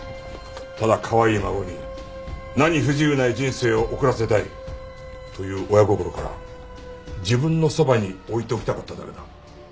ただかわいい孫に何不自由ない人生を送らせたいという親心から自分のそばに置いておきたかっただけだ。